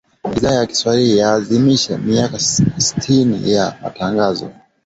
Idhaa ya Kiswahili yaadhimisha miaka sitini ya Matangazo.